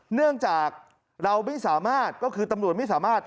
เนื่องจากเราไม่สามารถก็คือตำรวจไม่สามารถ